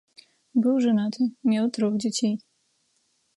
Быў жанаты, меў трох дзяцей.